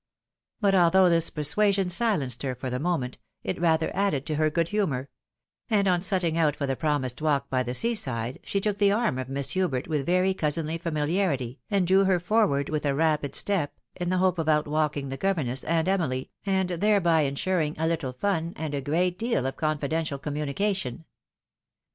But although this persuasion silenced her for the moment, it rather added to her good humour ; and, on setting out for the promised walk by the sea side, she took the arm of Miss Hubert with very cousinly familiarity, and drew her forward with a rapid step, in the hope of outwalking the governess and Emily, and thereby insuring " a little fun," and a great deal of confi dential communication.